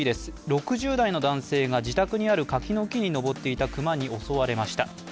６０代の男性が自宅にある柿の木に登っていた熊に襲われました。